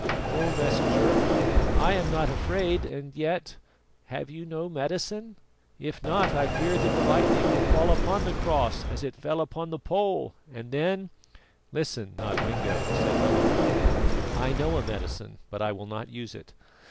Oh! Messenger, I am not afraid and yet, have you no medicine? If not, I fear that the lightning will fall upon the cross as it fell upon the pole and then " "Listen, Nodwengo," said Owen, "I know a medicine, but I will not use it.